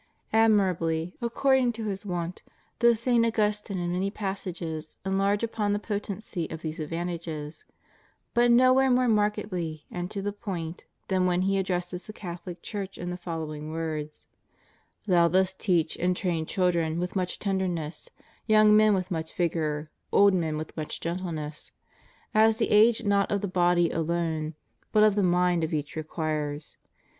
^ Admirably, according to his wont, does St. Augustine, in many passages, enlarge upon the potency of these advantages ; but nowhere more markedly and to the point than when he addresses the Catholic Church in the fol lowing words: "Thou dost teach and train children with much tenderness, young men with much vigor, old men with much gentleness; as the age not of the body alone, but of the mind of each requires.